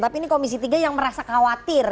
tapi ini komisi tiga yang merasa khawatir